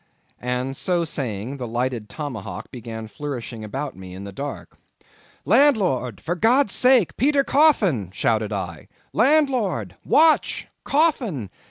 And so saying the lighted tomahawk began flourishing about me in the dark. "Landlord, for God's sake, Peter Coffin!" shouted I. "Landlord! Watch! Coffin!